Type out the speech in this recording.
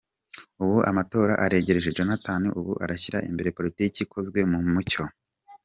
Ubu amatora aregereje, Jonathan ubu arashyira imbere Politiki ikozwe mu mucyo.